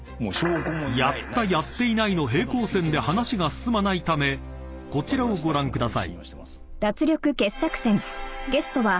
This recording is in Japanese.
［「やった」「やっていない」の平行線で話が進まないためこちらをご覧ください］